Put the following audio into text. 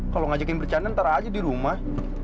kalau ngajakin bercanda ntar aja di rumah